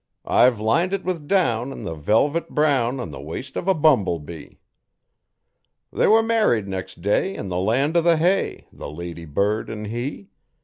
I've lined it with down an' the velvet brown on the waist of a bumble bee. They were married next day, in the land o' the hay, the lady bird an' he.